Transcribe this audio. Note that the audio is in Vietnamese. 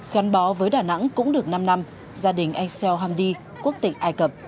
gắn bó với đà nẵng cũng được năm năm gia đình axel hamdi quốc tịch ai cập